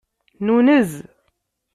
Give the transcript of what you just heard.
Nunez.